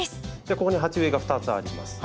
ここに鉢植えが２つあります。